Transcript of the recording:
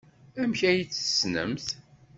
Amek ay tt-tessnemt?